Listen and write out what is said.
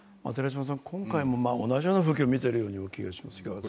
今回も同じような風景を見ているような気がしますが。